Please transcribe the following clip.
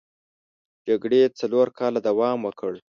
جګړې څلور کاله دوام وکړ.